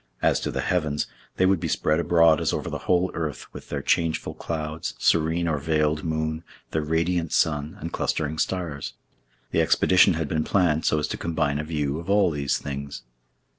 As to the heavens, they would be spread abroad as over the whole earth, with their changeful clouds, serene or veiled moon, their radiant sun, and clustering stars. The expedition had been planned so as to combine a view of all these things.